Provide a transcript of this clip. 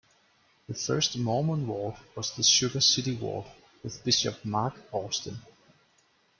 The first Mormon ward was the Sugar City Ward, with Bishop Mark Austin.